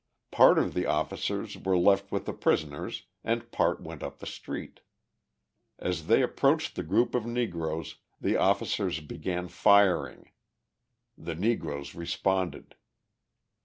Part of the officers were left with the prisoners and part went up the street. As they approached the group of Negroes, the officers began firing: the Negroes responded.